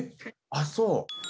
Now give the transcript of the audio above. あっそう。